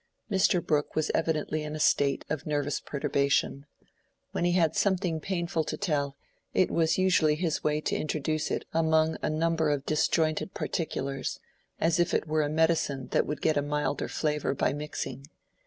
Mr. Brooke was evidently in a state of nervous perturbation. When he had something painful to tell, it was usually his way to introduce it among a number of disjointed particulars, as if it were a medicine that would get a milder flavor by mixing.